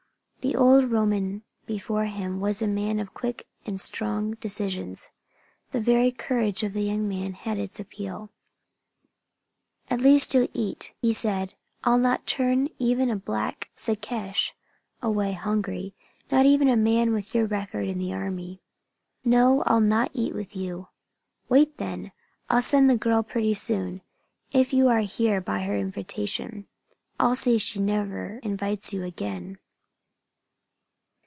The old Roman before him was a man of quick and strong decisions. The very courage of the young man had its appeal. "At least you'll eat," said he. "I'd not turn even a black Secesh away hungry not even a man with your record in the Army." "No, I'll not eat with you." "Wait then! I'll send the girl pretty soon, if you are here by her invitation. I'll see she never invites you again."